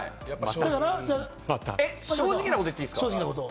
正直なこと言っていいですか？